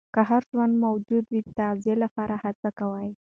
هر ژوندي موجود د تغذیې لپاره هڅه کوي.